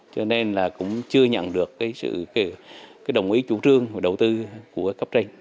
cho nên là cũng chưa nhận được cái sự đồng ý chủ trương và đầu tư của cấp tranh